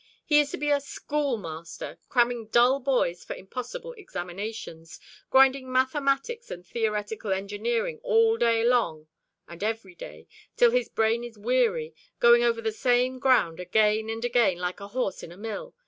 He is to be a schoolmaster, cramming dull boys for impossible examinations; grinding mathematics and theoretical engineering all day long and every day, till his brain is weary; going over the same ground again and again like a horse in a mill.